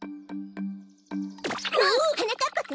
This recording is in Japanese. はなかっぱくん！